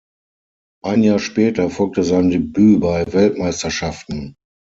Ein Jahr später folgte sein Debüt bei Weltmeisterschaften.